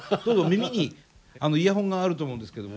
耳にイヤホンがあると思うんですけど。